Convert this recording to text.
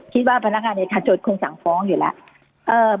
คิดว่าพนักงานอายการโจทย์คงสั่งฟ้องอยู่แล้ว